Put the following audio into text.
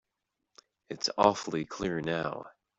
It's awfully clear now.